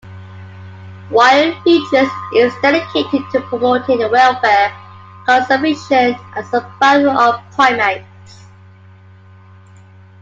Wild Futures is dedicated to promoting the welfare, conservation and survival of primates.